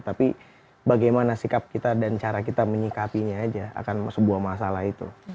tapi bagaimana sikap kita dan cara kita menyikapinya aja akan sebuah masalah itu